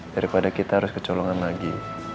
daripada kita harus kecolongan lagi